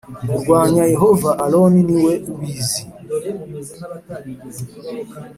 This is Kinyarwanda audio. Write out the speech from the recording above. kurwanya Yehova Aroni ni we ubizi